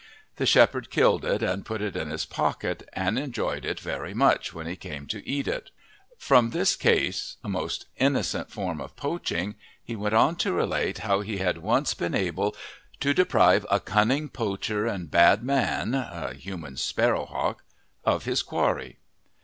The shepherd killed it and put it in his pocket, and enjoyed it very much when he came to eat it. From this case, a most innocent form of poaching, he went on to relate how he had once been able to deprive a cunning poacher and bad man, a human sparrowhawk, of his quarry.